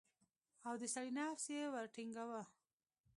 او د سړي نفس يې ورټنگاوه.